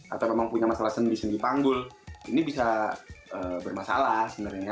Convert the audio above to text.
atau memang punya masalah sendi sendi panggul ini bisa bermasalah sebenarnya